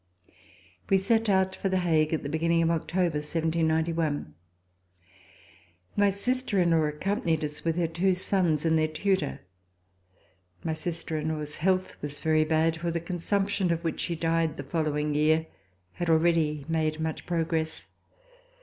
We set out for The Hague at the beginning of October, 1791. My sister in law accompanied us with her two sons and their tutor. My sister in law's health was very bad, for the consumption of which she died the following year had already made much progress.